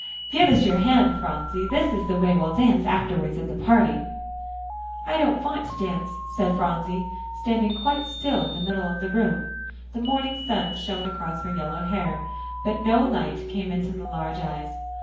give us your hand, Phronsie, this is the way we'll dance afterwards at the party." "I don't want to dance," said Phronsie, standing quite still in the middle of the room. The morning sun shone across her yellow hair, but no light came into the large eyes.